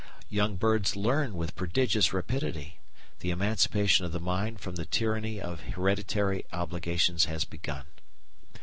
Young birds learn with prodigious rapidity; the emancipation of the mind from the tyranny of hereditary obligations has begun.